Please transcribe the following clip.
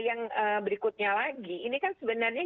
yang berikutnya lagi ini kan sebenarnya